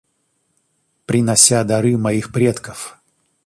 Принося дары моих предков,.